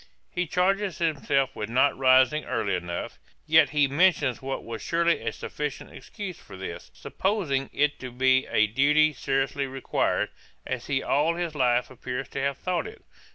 He charges himself with not rising early enough; yet he mentions what was surely a sufficient excuse for this, supposing it to be a duty seriously required, as he all his life appears to have thought it.